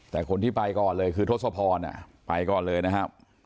แต่คนที่ไปก่อนเลยคือทศพรไปก่อนเลยนะครับ